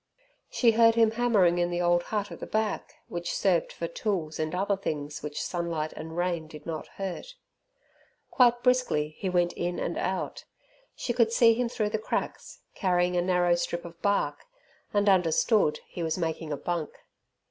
She heard him hammering in the old hut at the back, which served for tools and other things which sunlight and rain did not hurt. Quite briskly he went in and out. She could see him through the cracks carrying a narrow strip of bark, and understood, he was making a bunk.